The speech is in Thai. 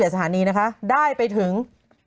สถานีนะคะได้ไปถึง